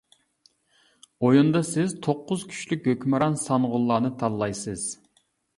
ئويۇندا سىز توققۇز كۈچلۈك ھۆكۈمران سانغۇنلارنى تاللايسىز.